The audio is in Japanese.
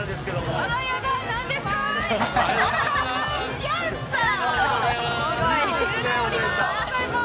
ありがとうございます。